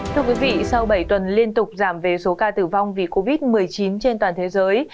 thưa quý vị sau bảy tuần liên tục giảm về số ca tử vong vì covid một mươi chín trên toàn thế giới